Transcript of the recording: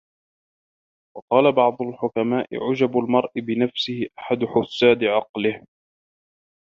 وَقَالَ بَعْضُ الْحُكَمَاءِ عُجْبُ الْمَرْءِ بِنَفْسِهِ أَحَدُ حُسَّادِ عَقْلِهِ